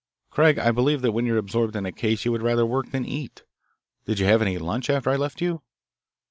"Craig, I believe that when you are absorbed in a case, you would rather work than eat. Did you have any lunch after I left you?"